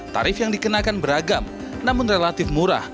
tarif yang dikenakan beragam namun relatif murah